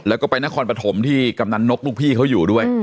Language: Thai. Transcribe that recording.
แล้วก็ไปนครปฐมที่กำนันนกลูกพี่เขาอยู่ด้วย